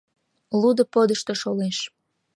Лудо подышто шолеш.